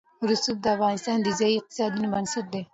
رسوب د افغانستان د ځایي اقتصادونو بنسټ دی.